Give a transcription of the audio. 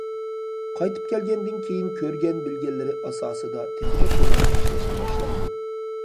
قايتىپ كەلگەندىن كېيىن كۆرگەن بىلگەنلىرى ئاساسىدا تېخىمۇ تىرىشىپ ئىشلەشكە باشلايدۇ.